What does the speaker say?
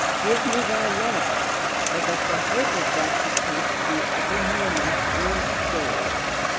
Give me thy love, or but the hope of that Which must be evermore my spirit's goal."